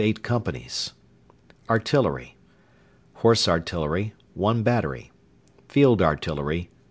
8 companies Artillery Horse Artillery .... 1 battery Field Artillery